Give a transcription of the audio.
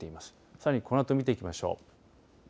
さらにこのあと見ていきましょう。